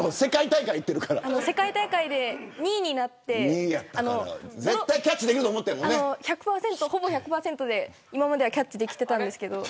世界大会で２位になって１００％、ほぼ１００％で今まではキャッチできていたんですけど。